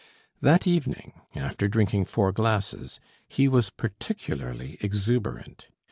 That evening, after drinking four glasses, he was particularly exuberant.